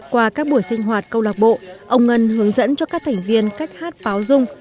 qua các buổi sinh hoạt câu lạc bộ ông ngân hướng dẫn cho các thành viên cách hát báo dung